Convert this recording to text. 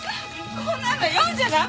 こんなの読んじゃ駄目！